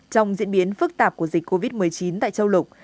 trong diễn biến phức tạp của dịch covid một mươi chín tại châu lục